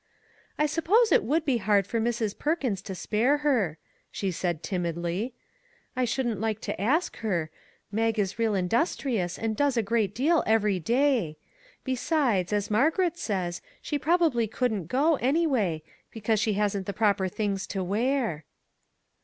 " I suppose it would be hard for Mrs. Per kins to spare her," she said timidly; " I shouldn't like to ask her ; Mag is real industri ous and does a great deal every day. Besides, as Margaret says, she probably couldn't go, anyway, because she hasn't proper things to wear."